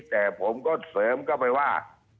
แต่ผมก็เสริมเข้าไปว่า